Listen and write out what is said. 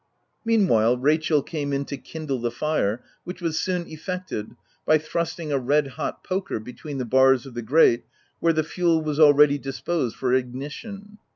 Meanwhile Rachel came in to kindle the tire, which was soon effected by OF W1LDFELL HALL. 205 thrusting a red hot poker between the bars of the grate, where the fuel was already disposed for ignition.